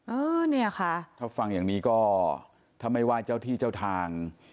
เออเนี่ยค่ะถ้าฟังอย่างนี้ก็ถ้าไม่ไหว้เจ้าที่เจ้าทาง